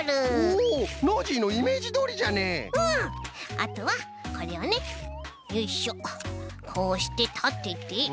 あとはこれをねよいしょこうしてたててとめます。